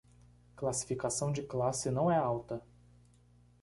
Classificação de classe não é alta